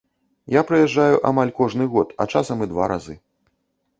Я прыязджаю амаль кожны год, а часам і два разы.